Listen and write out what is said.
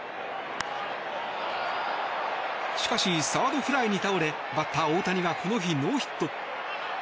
しかし、サードフライに倒れバッター・大谷はこの日、ノーヒット。